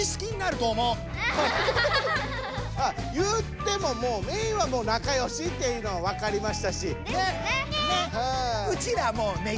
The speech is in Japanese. いってももうメイはもうなかよしっていうのはわかりましたし。ですよね。